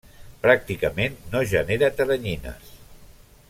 Pràcticament no genera teranyines.